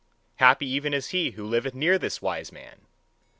Happy even is he who liveth near this wise man!